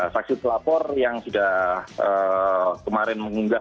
saksi pelapor yang sudah kemarin mengunggah